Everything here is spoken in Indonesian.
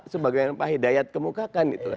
sebagai pak hidayat kemukakan